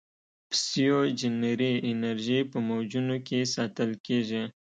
پسیوجنري انرژي په موجونو کې ساتل کېږي.